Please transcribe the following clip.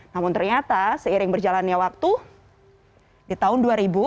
namun ternyata seiring berjalannya waktu di tahun dua ribu